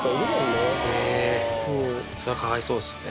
それはかわいそうっすね。